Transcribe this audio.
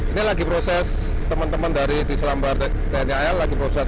ini lagi proses teman teman dari dislambar tnal lagi proses untuk menarik ke atas permukaan